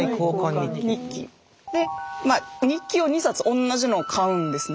日記を２冊同じのを買うんですね。